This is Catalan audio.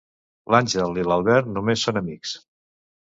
L'Àngel i l'Albert només són amics.